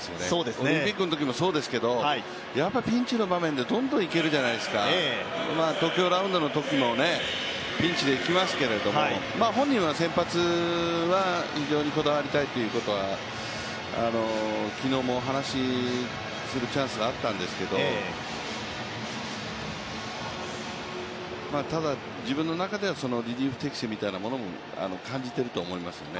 オリンピックのときもそうですけど、ピンチの場面でどんどんいけるじゃないですか東京ラウンドのときも、ピンチでいきますけれども、本人は先発は非常にこだわりたいということは昨日も話するチャンスがあったんですけど、ただ、自分の中ではリリーフ適性みたいなことも感じています。